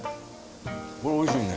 これ美味しいね。